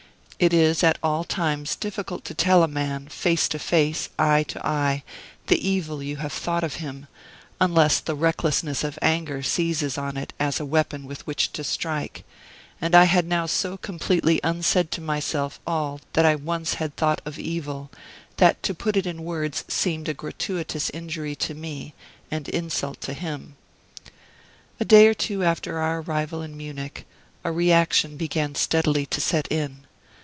It is at all times difficult to tell a man, face to face, eye to eye, the evil you have thought of him, unless the recklessness of anger seizes on it as a weapon with which to strike; and I had now so completely unsaid to myself all that I once had thought of evil, that to put it in words seemed a gratuitous injury to me and insult to him. A day or two after our arrival in Munich a reaction began steadily to set in.